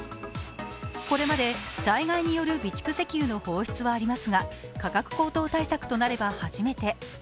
これまで災害による備蓄石油の放出はありますが、価格高騰対策となれば初めて。